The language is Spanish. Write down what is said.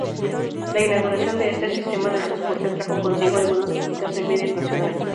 La inauguración de este sistema de transporte trajo consigo algunas críticas en medios nacionales.